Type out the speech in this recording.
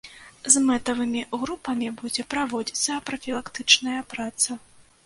З мэтавымі групамі будзе праводзіцца прафілактычная праца.